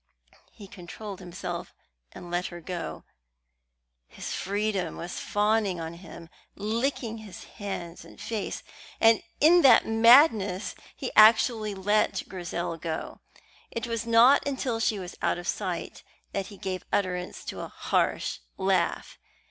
He controlled himself and let her go. His freedom was fawning on him, licking his hands and face, and in that madness he actually let Grizel go. It was not until she was out of sight that he gave utterance to a harsh laugh.